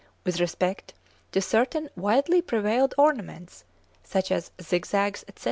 with respect to certain widely prevalent ornaments, such as zig zags, etc.